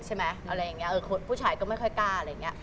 ชัยก่อไม่ค่อยกล้าอะไรอย่างเงี้ย